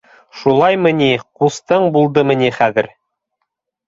— Шулаймы ни, ҡустың булдыммы ни хәҙер?